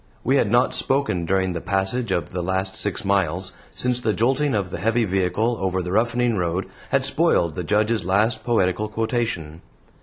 We had not spoken during the passage of the last six miles, since the jolting of the heavy vehicle over the roughening road had spoiled the Judge's last poetical quotation.